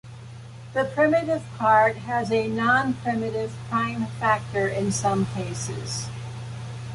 The primitive part has a non-primitive prime factor in some cases.